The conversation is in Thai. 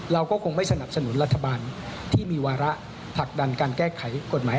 เราก็คงไม่สนับสนุนรัฐบาลที่มีวาระผลักดันการแก้ไขกฎหมาย